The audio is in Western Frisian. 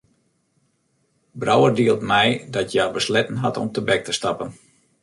Brouwer dielt mei dat hja besletten hat om tebek te stappen.